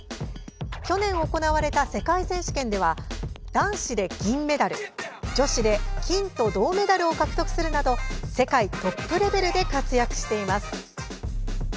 去年、行われた世界選手権では男子で銀メダル、女子で金と銅メダルを獲得するなど世界トップレベルで活躍しています。